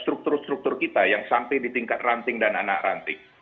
struktur struktur kita yang sampai di tingkat ranting dan anak ranting